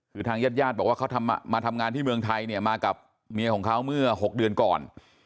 คือทางญาติญาติบอกว่าเขามาทำงานที่เมืองไทยเนี่ยมากับเมียของเขาเมื่อ๖เดือนก่อน